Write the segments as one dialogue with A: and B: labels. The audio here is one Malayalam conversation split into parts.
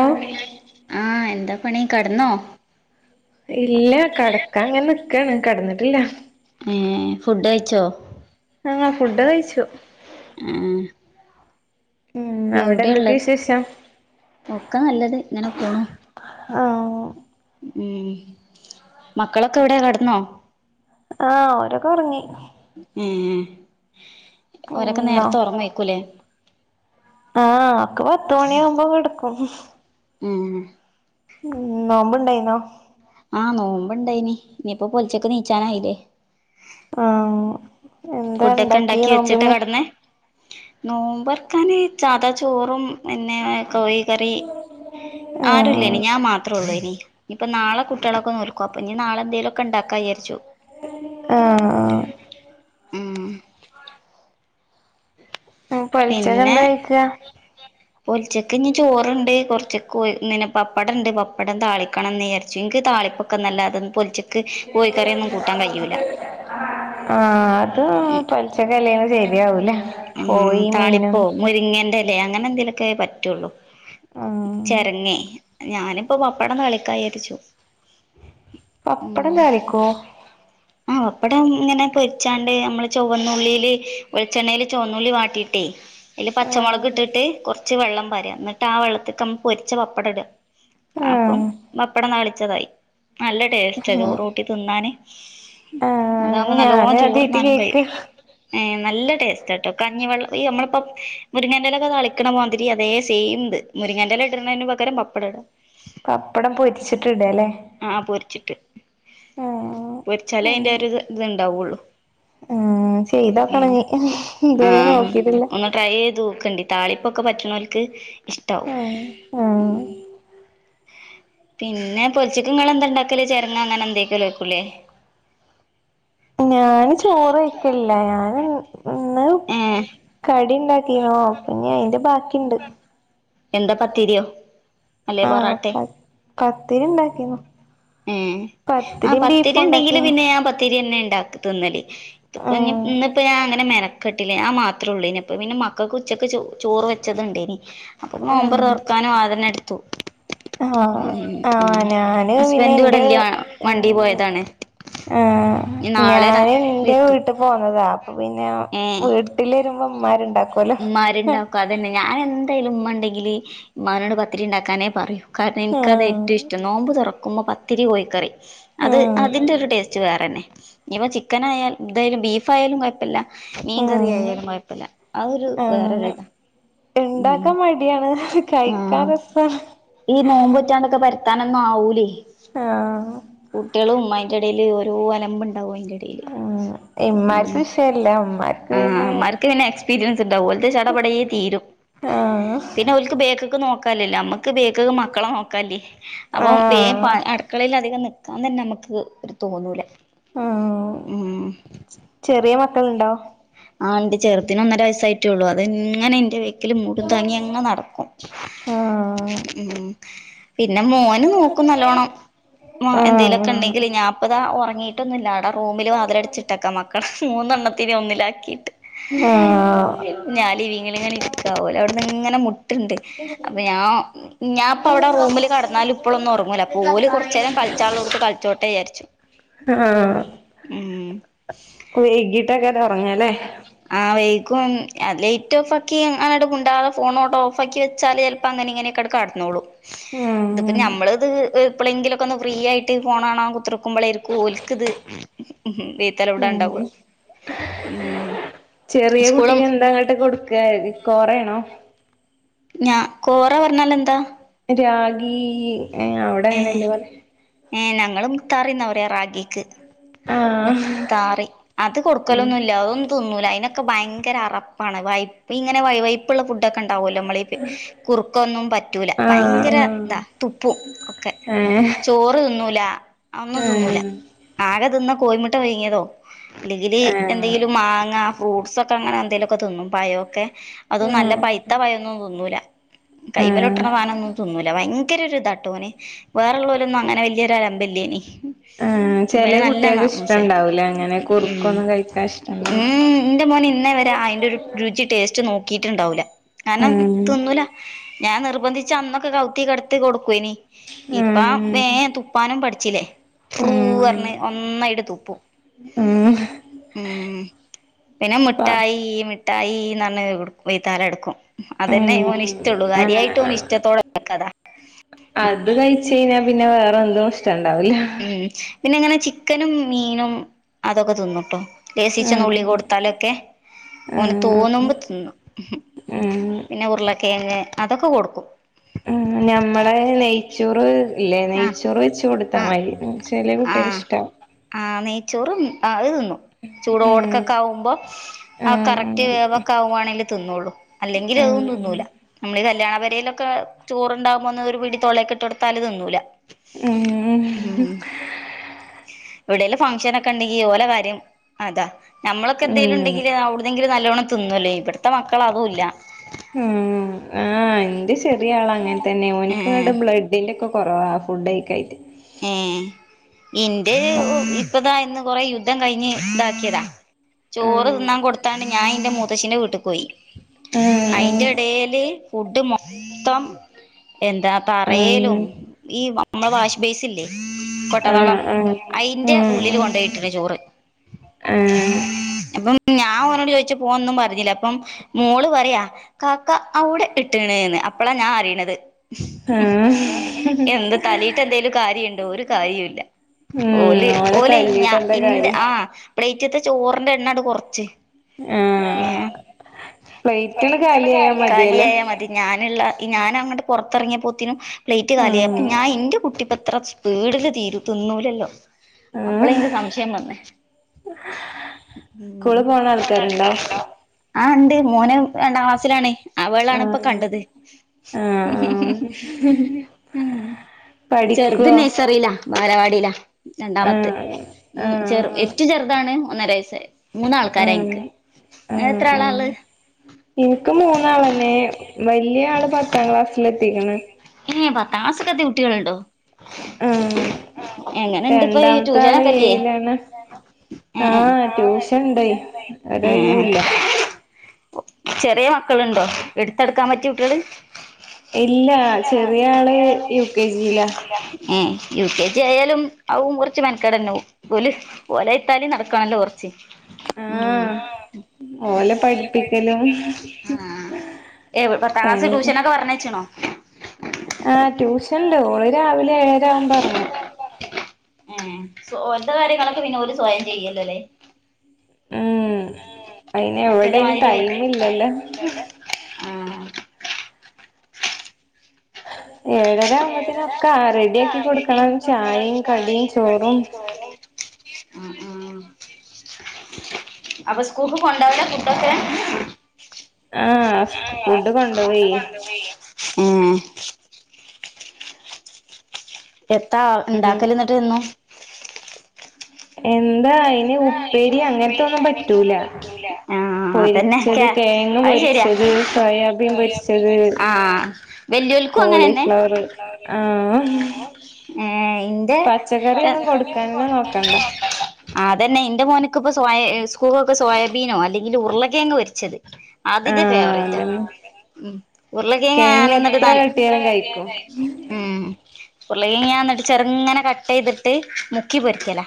A: ഓ
B: ആഹ് എന്താ പണി കട്ന്നോ?
A: ഇല്ല കടക്കാങ്ങനെ നിക്കാണ് കിടന്നിട്ടില്ല
B: ഏഹേ ഫുഡ് കഴിച്ചോ?
A: ആഹാ ഫുഡൊക്കെ കഴിച്ചു
B: ഏഹേ
A: ഉം അവിടെ എന്തൊക്കെ
B: എവിടെള്ളത്
A: വിശേഷം
B: ഒക്കെ നല്ലത് ഇങ്ങനെ പോണു
A: ആഹ്
B: ഉം മക്കളൊക്കെവിടെ കടന്നോ?
A: ആഹ ഓരൊക്കൊറങ്ങി
B: ഏഹ് ഓരൊക്കെ
A: ഉം
B: നേരത്തെ ഒറങ്ങേക്കുലെ?
A: ആഹ് ഒക്ക പത്തുമണിയാകുമ്പോ കെടുക്കും
B: ഉം
A: ഉം നോമ്പുണ്ടായിന്നോ?
B: ആഹ് നോമ്പ്ണ്ടായിനി ഇനിയിപ്പൊ പൊൽച്ചക്ക് നീച്ചാനായില്ലേ?
A: ആഹ് എന്താ ഇണ്ടാക്കി നോമ്പിന്?
B: നോമ്പർക്കാന് സാധാ ചോറും പിന്നെ കോഴി കറി
A: ആഹ്
B: ആരുല്ലേനി ഞാൻ മാ ത്രൊള്ളേനി ഇഞ്പ്പ നാളെ കുട്ടികളൊക്കെ നോൽക്കും അപ്പഞ് നാളെന്തെലുവൊക്കെ ഇണ്ടാക്കാ വിചാര്ച്ചു
A: ആഹ്
B: ഉം
A: പൊലച്ചക്ക്
B: പിന്നെ
A: എന്താ കഴിക്കാ
B: പൊൽച്ചക്ക്ഞ് ചോറ്ണ്ട് കൊറച്ച് കോ പിന്നെ പപ്പടണ്ട് പപ്പടം താളിക്കണെന്ന് വിചാരിച്ച് ഇൻക്ക് താളിപ്പ ന്നല്ലാതെ പൊൽച്ചക്ക് കോഴിക്കറിയൊന്നും കൂട്ടാൻ കഴിയൂല്ല
A: ആഹ അത് പലച്ച കലയിന് ശരിയാവൂലേ
B: ആ താളിപ്പോ മുരിങ്ങേറല്ലേ അങ്ങനെ എന്തേലുമൊക്കെ പറ്റുള്ളൂ
A: ആഹ്
B: ചെരങ്ങേ ഞാനിപ്പോ പപ്പടം താ ളിക്കായിരിച്ചു
A: പപ്പട താളിക്കോ?
B: ആഹ് അപ്പടം ഇങ്ങനെ പൊരിച്ചാണ്ട് നമ്മള് ചൊവ്വന്നുള്ളിൽ വെളിച്ചെണ്ണൽ ചുവന്നൂലി വാട്ടിയിട്ടേ അല് പച്ചമുളക്
A: ആഹ്
B: ഇട്ടിട്ട് കുറ കുറച്ച് വെള്ളം പാര എന്നിട്ട് ആ വെള്ളത്തിലക്ക നമ്മ പൊരിച്ച പപ്പടം ഇട അപ്പം
A: ആഹ്
B: പപ്പടം താളിച്ചതായി നല്ല ടേസ്റ്റ് അത് ചോറൂട്ടി തിന്നാന്
A: ആഹ്
B: അതാകുമ്പോൾ
A: ഞാന്
B: നല്ലോണം ചോറ്
A: ആദ്യായിട്ട്
B: നാലും
A: കേക്ക
B: കഴുംഏ നല്ല ടേസ്റ്റ് ആട്ട് കഞ്ഞിവെള്ളം ഈ നമ്മളിപ്പ മുരിങ്ങേൻന്റെയിലൊക്കെ തളിക്കണ പോതിരി അതേ സെയിംത് മുരിങ്ങാൻന്റെല്ല ഇടന്നതിന് പകരം പപ്പട ഇട
A: പപ്പടം പൊരിച്ചിട്ട്ടല്ലേ
B: ആഹ പൊരിച്ചിട്ട്
A: ആഹ്
B: പൊരിച്ചാലേ അതിന്റെ ഒരു ഇത് ഇണ്ടാവുള്ളു
A: ഉ ചെയ്താക്കണ ന
B: ആ
A: ഇതുവരെ നോക്കിട്ടില്ല
B: ഒന്ന് ട്രൈ ചെയ്ത് നോക്കണ്ടി താളിപ്പൊക്കെ പറ്റണവലക്ക് ഇഷ്ടാവും
A: ആഹ് ആഹ്
B: പിന്നെ പൊല ക്കങ്ങൾ എന്തതുണ്ടാക്കല്േ ചെറങ്ങാ അങ്ങനെ എന്തക്കോക്കൂല്ലേ
A: ഞാന് ചോറ് വയ് ക്കില്ല ഞൻ ഇന്ന്
B: ഏ
A: കടി ഉണ്ടാക്കിന്നോ പിന്നെ അയിന്റെ ബാക്കിണ്ട്
B: എന്താ പത്തീരിയോ?
A: ആഹ പ പത്തിരി ഉണ്ടാക്കിന്ന
B: ആ ആഹ് പത്തിരി ഉണ്ടെങ്കില്
A: ഉണ്ടാക്കീന്നു
B: പിന്നെ ഞാൻ പത്തിരി തന്നെ ഉണ്ടാക്ക തിന്നല് ഇപ്പൊ ഇനി
A: ആഹ്
B: ഇന്ന ഇപ്പോ ഞ അങ്ങനെ മെനക്കെട്ടില്ല ഞാ മാത്രേള്ളൂ ഇനിപ്പ പിന്നെ മക്കൾക്ക് ഉച്ചൊക്കെ ചോറ് വെച്ചതുണ്ട് ഇനി അപ്പൊ നോമ്പർ തറക്കാനും അതന്നെ എടുത്തു
A: ആഹ
B: ഉം
A: ആഹ
B: ഉം
A: ഞാന് പിന്നെ
B: ഹസ്ബൻഡ്
A: എന്റെ
B: ഇവിടില്ല വണ്ടി
A: ഉം
B: പോയതാണ്
A: ആഹ
B: ഇനി നാളെ രാ
A: ഞാന് ന്റെ
B: എത്തും
A: വീട്ട പോന്നതാ അപ്പൊ പിന്നെ
B: ഏഹ്
A: വീട്ടിൽ വരുമ്പോ മാരുണ്ടാക്കല്ലോ
B: മാരുണ്ടാക്കും അതന്നെ ഞാൻ എന്തായാലും ഉമ്മ ഉണ്ടെങ്കില് ഉമ്മാനോട് പതിരി ഉണ്ടാക്കാനേ പറയും കാരണം
A: അങ്ങനെ
B: എനിക്കതേറ്റോഷ്ടം നോമ്പ് തുറക്കുമ്പോ പത്തിരി കോയിക്കറി അത് അതിന്റൊരു ടേസ്റ്റ് വേറെന്നെ ഇനിപ്പ ചിക്കനായാലും ന്തായാലും ബീഫായാലും കുഴപ്പൂല്ല മീൻകറിയായാലും കൊഴപ്പില്ല അതൊരു
A: ആഹ്
B: വേറരുതാ ഉഹ്
A: ഇണ്ടാക്കാൻ മടിയാണ് കഴിക്കാൻ
B: ആഹ്
A: രസാണ്
B: ഈ നോമ്പറ്റാണ്ടൊക്കെ പരുത്താനൊന്നാവൂലേ
A: ആഹ്
B: കുട്ട്യളും ഇമ്മായിന്റിടയില് ഒരലമ്പുണ്ടാവും അയിന്റെ ഇടയില്
A: ഉം ഇമ്മാക്ക് വിഷയല്ല ഇമ്മാക്ക് പിന്നെ
B: ഓക്ക് പിന്നെ എക്സ്പീരിയൻസിണ്ടാവും ഓളത് ചടപടയെ തീരും
A: ആഹ്
B: പിന്നെ ഓൾക്ക് ബേക് നോക്കല്ല നമ്മക്ക് ബേക്ക് മക്കളെ നോക്കേ അപ്പൊ വേ
A: ആഹ്
B: അടുക്കളൽ അധികം നിക്കാൻ തന്നെ നമുക്ക് ഒരു തോന്നൂല
A: ആഹ്
B: ഉഹ്
A: ചെറിയ മക്കളുണ്ടോ
B: ആ ഇണ്ട് ചെറുതിന് ഒന്നര വയസ്സായിട്ടേള്ളൂ അതിങ്ങനെ എന്റെ ബാക്കിൽ മുടും താങ്ങിയങ്ങനെ നടക്കും
A: ആഹ്
B: ഉം പിന്നെ മോനുനോക്കും നല്ലോണ്ണം
A: ആഹ്
B: എന്തേലോക്കെ ഉണ്ടെല് ഞാൻ ഇപ്പതാ ഉറങ്ങി ങ്ങിട്ടൊന്നുല്ല ആട റൂമിൽ വാതിലടിച്ചിട്ടക്കാം മക്കള മൂന്നെണ്ണത്തിനേം ഒന്നിലാക്കി
A: ആഹ്
B: ഞാ ഇങ്ങ ഇങ്ങനെ ഇരിക്കാവല അവിടന്ന് ഇങ്ങനെ ണ്ട് അപ്പൊ ഞാ ഞാൻപ്പ അവിടെ റൂമില് കെ ടന്നാലും ഇപ്പോഴൊന്നും ഉറങ്ങൂല ഓല് കുറച്ചേരം കളിച്ചളോടുത്ത് കളിച്ചോട്ടേ വിചരിച്ചു
A: ആഹ് വൈകിട്ടങ്ങനെ ഉറങ്ങാല്ലേ
B: ആഹ് വൈക്കും ലൈറ്റ് ഓഫാക്കി അങ്ങട്ട് മിണ്ടാതെ ഫോൺ ഓട്ടോ ഓഫ് ആക്കി വെച്ചാല് പ്പങ്ങനിങ്ങനൊക്കട് കിടന്നോളു ഇത്പ്പ
A: ഉം
B: നമ്മളത് എപ്പോളെങ്കിലൊക്കെ ഒന്ന് ഫ്രീയായിട്ട് ഫോണാണകുത്തിറുക്കുമ്പോളായിരിക്കും ഒൽക്ക്ത് ചെലവ്ടെ ഉണ്ടാവ
A: അങ്ങനെ
B: ഉഹ്
A: ചെറിയ കുട്ടിനന്താങ്ങോട്ട് കൊടുക്ക കോറയാണോ?
B: ഞാ കോറ പറഞ്ഞാലെന്താ?
A: രാഗി ഏഹ് അവിടങ്ങനെയല്ലേ പറ?
B: ഏഹ് ഞങ്ങൾ മുത്താറിന്നപറയ റാഗിക്ക്
A: ആഹ്
B: മുത്താറി അത് കൊടുക്കലൊന്നുല്ല അയൊന്നും തിന്നൂല അയിനൊക്കെ ഭയങ്കര അറപ്പാണ് വൈപ്പ ഇങ്ങനെ വൈ വൈ ഇപ്പോള്ള ഫുഡ്‌ക്കിണ്ടാവുയല്ലോ മ്മൾ കുറുക്കൊന്നും പറ്റൂല ഭയങ്കര
A: ആഹ്
B: ഇതാ തുപ്പും ഒക്കെ
A: ഏഹ്
B: ചോറ് തിന്നൂല ഒന്നും തിന്നൂല ആകെ തിന്ന കോയിമുട്ട പുയുങ്ങിയതോ അല്ലെങ്കില്
A: ആഹ്
B: എന്തെങ്കിലും മാങ്ങ ഫ്രൂട്ട്സൊക്കെ ങ്ങനെന്തെങ്കലൊക്കെ തിന്നും പയൊക്കെ
A: ആഹ്
B: അതും നല്ല
A: ആഹ്
B: പൈത്ത പയൊന്നും ഓ തിന്നൂല കൈമലോട്ടണ
A: ആഹ്
B: സാനൊന്നു തിന്നൂല ഓ ഭ ഭയങ്കര ഒരു ഇതാട്ടോ ഓന് വേറുള്ളോലൊന്നും അങ്ങനെ വല്യൊരു അലമ്പല്ലേനി
A: ആഹ്
B: മ്മായി
A: ചെല കുട്ടികൾക്ക്
B: നല്ലന്നമൂസെ
A: ഇഷ്ടണ്ടാവൂല അങ്ങനെ
B: ഏഹ്
A: കുറുക്കൊന്നും കഴിക്കാൻ ഇഷ്ടണ്ടാവൂല
B: നന്റെ മോൻ ഇന്നേവരെ അയിന്റെ ഒരു രുചി ടേസ്റ്റ് നോക്കിട്ടുണ്ടാവില്ല കാരണം
A: ഉം
B: തിന്നൂല ഞാൻ നിർബന്ധിച്ച് അന്നൊക്കെ കൗത്തിക്കെടത്തി കൊടുക്കു ഇനി ഇപ്പ
A: ഉം
B: തുപ്പാൻ പഠിച്ചില്ലേ ഫ്രു
A: ഉം
B: പറഞ് ഒന്നയിട് തുപ്പു
A: ഉം
B: ഉം പിന്നെ
A: പ
B: മിഠായി മിഠായി ന്ന് പറഞ്ഞ് വയ്യാത്താലേ നടക്കും അതന്നെ
A: ഉം
B: ഈമോനിഷ്ടുള്ളു കാര്യായിട്ട്
A: ആഹ്
B: ഓന് ഇഷ്ടത്തോടെക്കഥാ
A: ചെയഞ്ഞാ പിന്നെ വേറെ എന്തു ഇഷ്ടണ്ടാവില്ല
B: ഉം പിന്നിങ്ങനെ ചിക്കനും മീനും അതൊക്കെ തിന്നുട്ടോ ലേസിച്ച
A: ഉം
B: നുള്ളി കൊടുത്താലൊക്കെ
A: ഉം
B: ഓന്
A: ആഹ്
B: തോന്നുമ്പോ തിന്നും
A: ഉം
B: പിന്നെ ഉരുളക്കേങ്ങ് അതൊക്കെ കൊടുക്കും
A: ഉം ഞമ്മളെ നെയ്ച്ചൂറ് ഇല്ലേ
B: ആഹ്
A: നെയ്ച്ചൂറ് വച്ച് കൊടുത്താ
B: ആഹ്
A: മതി വെല്ല്യ കുട്ട്യലെ
B: ആഹ്
A: ഇഷ്ട്ടാ
B: ആഹ് നെയ്ച്ചോറും അയ് തിന്നു ചൂടോടൊക്കെ
A: ഉം
B: ആവുമ്പോ ആ കറക്റ്റ്
A: ആഹ്
B: വേവക്ക ആവുയാണെങ്കിൽ തിന്നുള്ളൂ അല്ലെങ്കിൽ
A: ഉം
B: അതും തിന്നൂല നമ്മള് ഈ കല്യാണ പെരയിലൊക്കെ ചോറുണ്ടാവുമ്പോന്ന് ഒരു പിടിത്തൊളൊക്ക് ഇട്ട്ടുത്താലത് തിന്നൂല
A: ഉം
B: ഇവിടെലും ഫംഗങ്ഷൻ ഒക്കെ ഉണ്ടെങ്കി ഓലെ കാര്യം അതാ നമ്മളൊക്കെ എന്തെങ്കലും
A: ഉം
B: ഉണ്ടെങ്കില് അവിടെങ്കിലും നല്ലവണ്ണം തിന്നുല്ലേ ഇവിടത്തെ മക്കള് അതുല്ല
A: ഉം ആഹ് എന്റെ ചെറിയ ആള് അങ്ങനെ തന്നെ ഓൻക്ക്
B: ഏഹ്
A: ഇങ്ങട്ട് ബ്ലഡിന്റെ ഒക്കെ കൊറവ ഫുഡ് കഴിക്കായിട്ട്
B: ഏഹ് ഇന്റെ
A: ഉം
B: ഇപ്പതാ ഇന്ന് കൊറെ യുദ്ധം കഴിഞ്ഞ് ഇതാക്കിയതാ ചോറ് തിന്നാൻ കൊടുത്താണ്ട് ഞാൻ എൻ്റെ മൂത്തശ്ശിന്റെ വീട്ടിൽ പോയി
A: ആഹ്
B: അയിന്റെടേൽ ഫുഡ് മൊത്തം എന്താ
A: ആഹ്
B: തറേലും ഈ നമ്മളെ വാഷ് ബേസ് ഇല്ലേ
A: ആഹ്
B: കൊട്ടത്തോളം
A: ആഹ് ആഹ്
B: അയിന്റെ
A: ഉം
B: ഉള്ളില്
A: ഉം
B: കൊണ്ടുപോയിട്ടിണ് ചോറ്
A: ആഹ്
B: അപ്പം ഞാൻ ഓനോട് ചോയിച്ചപോന്നും പറഞ്ഞില്ല അപ്പം മോള് പറയാ കാക്ക അവിടെ ഇട്ടണ്ന്ന് അപ്പോളാ ഞാൻ അറിയണത്
A: ആഹ്
B: എന്ത് തലി എന്തേലും കാര്യുണ്ടോ ഒരു കാര്യില്ല ഓ ല്
A: ഉം
B: ഓലെ ഞ
A: തല്ലിട്ട് എന്താ കാര്യം
B: ഇന്റെആഹ് പ്ളേറ്റത്തെ ചോറിന്റെ എണ്ണണ് കുറച്ച് ആഹ്
A: പ്ലേറ്റണ്
B: പ്ലേറ്റ്കള്
A: കാലിയായാ മതിയല്ലോ
B: കാലിയായ മതി ഞാനുള്ള ഞാനങ്ങട്ട് പുറത്തിറിയപ്പോത്തിനും പ്ലേറ്റ് കാലിയ
A: ഉം
B: അപ്പം ഞാന് എന്റെ കുട്ട ട്ടിപ്പത്ര സ്പീഡില് തീന്നൂലല്ലോ അപ്പള
A: ആഹ്
B: ഇന്റെ സംശയം വന്നേ ഉം കൂടെ പോണ ആൾക്കാരുണ്ടോ ആഹ് ഉണ്ട് മോനും രണ്ടാം ക്ലാസ്സിലാണ് അവളണിപ്പ
A: ആഹ്
B: കണ്ടത്
A: ആഹ് ആഹ്
B: ഉം ചെറുത്
A: പഠിക്കുവോ
B: നെയ്സറിയിലാ ബാലവാടിയിലാ രണ്ടാമത്ത്
A: ആഹ്
B: ഉം ചെറു
A: ആഹ്
B: ഏറ്റവും ചെറുതാണ് ഒന്നര വയസ്സായി
A: ആഹ് ആഹ്
B: ആളാ ഇള്ളെ
A: ആഹ് എനിക്ക് മൂന്നാളന്നെ വലിയ ആള് പത്താം ക്ലാസ്സിലെത്തിക്കണ്
B: ഏഹ് പത്താം ക്ലാസൊക്കെ എത്തിയ കുട്ടികളുണ്ടോ
A: ആഹ്
B: എങ്ങനെ ഇണ്ട് ഇപ്പൊ
A: രണ്ടാമത്തെ ആള്
B: ട്യൂഷനൊക്കില്ലേ
A: ഏഴിലാണ്
B: ഉം ആഹ്
A: ട്യൂഷൻ ഇണ്ട്
B: ടൂഷൻണ്ട് എന്തായി ഉം
A: ഒരൊഴിവുല്ല
B: ചെറിയ മക്കളളുണ്ടോ എടുത്തെടുക്കാൻ പറ്റിയ കുട്ടികള്
A: ഇല്ല ചെറിയ ആള് യു കെ ജിയിലാ
B: യു കെ ജി ആയാലും അതും കുറച്ച് മനക്കടന്നെ ഓല് ഓലയ്ത്താലി നടക്കാണല്ലോ കൊറച്ച് ഉം
A: ആഹ് ഓലെ പഠിപ്പിക്കലും
B: എഹ് പത്താംക്ലാസ്
A: പണിയെന്നെ
B: ട്യൂഷനൊക്കെ പറഞ്ഞേയച്ചണോ
A: ആഹ് ട്യൂഷൻ ഉണ്ട് ഓള് രാവിലെ ഏഴരാവുമ്പം എറങ്ങും
B: ഓൽതെ കാര്യങ്ങളൊക്കെ പിന്നെ ഓല് സ്വയം ചെയ്യല്ലോ അല്ലേ
A: ഉം അയിന് എവിടെ
B: മറ്റോലെ മാതിരി വെ
A: ടൈമ് ഇല്ലല്ലോ
B: ആഹ്
A: ഏഴര ആവുമ്പോത്തിനൊക്കെ റെഡിയാക്കി കൊടുക്കണം ചായയും കടിയും ചോറും
B: ഉം ഉം അപ്പൊ സ്കൂൾക്ക് കൊണ്ടാവല ഫുഡൊക്കെ
A: ആഹ് ഫുഡ് കൊണ്ടു പോവേ
B: സുഖല്ല ഉം [inaudible] എത്താ
A: ഉം
B: ഇണ്ടാക്കല് എന്നിട്ട് എന്നും
A: എന്താ അയിന് ഉപ്പേരി അങ്ങനത്തെ ഒന്നും പറ്റ റ്റൂല
B: ആഹ് അതന്നെ
A: പൊരിച്ചത്
B: കേ
A: കെഴങ്ങ്
B: അത് ശരിയാ
A: പൊരിച്ചത് സോയാബീൻ പൊരിച്ചത് ച്ചത്
B: ആഹ് വെല്ല്യോൽക്കും അങ്ങനെന്നെ
A: കോളിഫ്ലവർ ആഹ്
B: ഉം ഇന്റെ
A: പച്ചക്കറി ഒന്നും
B: പച്ചക്കറിയൊന്നും
A: കൊടുക്കാനന്നെ
B: കൊടുക്കാനെ
A: നോക്കണ്ട
B: നോക്കണ്ട അതന്നെ എന്റെ മോനക്ക ഇപ്പൊ സോ സ്കൂളൊ റെക്കെ സോയാബീനോ അല്ലെങ്കിൽ ഉരുളകിഴങ്ങ് പൊരിച്ചത് അതിന്റെ
A: ആഹ്
B: ഫേവറേറ്റ് ആ
A: അതന്നെ
B: ഉ ഉരുളക്കങ്ങാണ്
A: കിഴങ്ങ് എത്ര കിട്ടിയാലും
B: എത്രകിട്ടിയാലും കഴിക്കും ഉം ഉരുളക്കിഴങ്ങ് എന്നിട്ട് ചെറുങ്ങനെ കട്ട് ചെയ്തിട്ട് മുക്കി പൊരിക്കല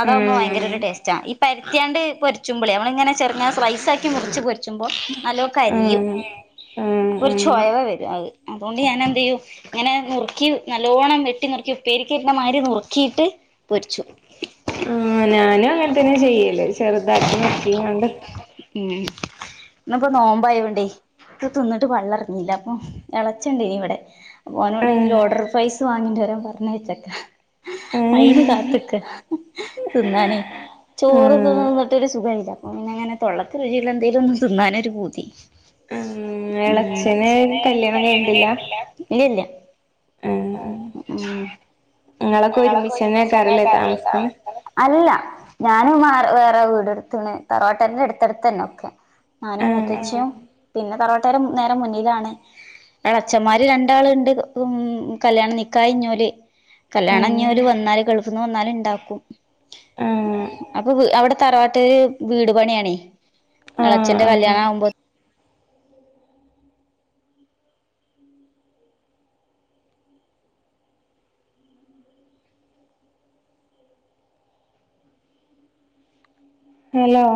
B: അതാകുമ്പോ ഭയങ്കര
A: ഉം
B: ഒരു ടേസ്റ്റ ഇ മുറിക്കാണ്ട് പൊച്ചുമ്പള നന്മളിങ്ങനെ ചെറങ്ങ സ്ലൈസാക്കി മുറിച്ച് പൊരി പോ നല്ല കരിയും
A: ഉം ഉം
B: അപ്പൊ ഒരു
A: ഉം
B: ചോയവ വരും അത് അതുകൊണ്ട് ഞാനെന്ത് ചെയ്യും ഇങ്ങനെ നുറുക്കി നല്ലോണം വെട്ടി നുറുക്കി ഉപ്പേരിക്കിട്ടണ്ട മാതിരി നുറുക്കിയിട്ട് പൊരിച്ചു
A: ആഹ് ഞാനും അങ്ങനെത്തന്നെ ചെയ്യല് ചെറുതാക്കി നുറുക്കികാണ്ട്
B: ഉം ഇന്നിപ്പൊ നോമ്പായൊണ്ടേ [unintelligible] തിന്നിട്ട് പള്ളർനീല്ല അപ്പൊ എളച്ചണ്ടെനി ഇവടെ ഓനോടെ
A: ആഹ്
B: ഓർഡർ പ്രൈസ് വാങ്ങികൊ ണ്ടരാൻ പറഞ്ഞായ്ച്ചക്ക
A: ആഹ്
B: അയിന് കാത്ത്ക്ക തിന്നാനേ ചോറ്
A: ആഹ്
B: ഇതൊന്നും തിന്നിട്ട് ഒരു സുഖം ഇല്ല അപ്പംപിന്നെങ്ങനെ തൊള്ളക്ക് രുചിയുള്ള എന്തേലും ഒന്ന് തിന്നാനൊരു പൂതി
A: ഉം എളച്ചന്
B: എളച്ഛന് കല്യാണം
A: കഴിഞ്ഞിട്ടില്ല
B: കഴിച്ചിട്ടില്ല ഇല്ല ഇല്ല ഉം നിങ്ങളൊക്കെ ഒരുമിച്ചന്നെ ആകാരല്ലേ [unintelligible] അല്ല ഞാനും വാറെ വേറെ വീടെട്ത്ത്ണ് തറവാട്ടരെന്റെ എട്ത്തട്ത്തന്നെ ഒക്കെ ഞാനും
A: ആഹ്
B: മൂത്തച്ചിയും പിന്നെ തർവാട്ടരും നേരെ മുന്നിലാണ് എളച്ഛന്മാര് രണ്ടാള്ണ്ട് ഉം കല്ല്യാണം നിക്കാഹയ്ഞ്ഞോല് കല്യാണം ഇഞ്ഞ് ഓല്
A: ആഹ്
B: വന്നാല് ഗൾഫ് ന്ന് വന്നാല് ഇണ്ടാക്കും
A: ആഹ് ആഹ്
B: അപ്പൊ അവിടെ തറവാട്ടില് വീട് പണിയാണേ എളച്ഛന്റെ
A: ആഹ്
B: കല്യാണ ആകുമ്പോ
A: ഹലോ